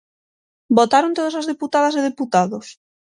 ¿Votaron todas as deputadas e deputados?